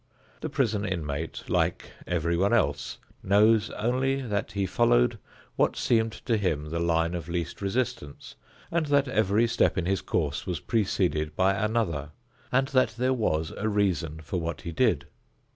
The prison inmate, like everyone else, knows only that he followed what seemed to him the line of least resistance, and that every step in his course was preceded by another and that there was a reason for what he did.